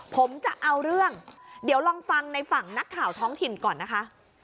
ผมจะเอาเรื่องเดี๋ยวลองฟังในฝั่งนักข่าวท้องถิ่นก่อนนะคะ